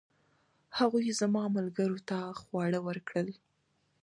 هغوی زما ملګرو ته خواړه ورکړل.